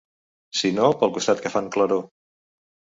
...sinó pel costat que fan claror